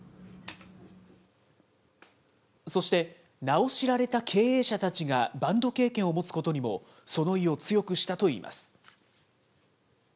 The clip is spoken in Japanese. そして、名を知られた経営者たちがバンド経験を持つことにも、その意を強くしたといいます。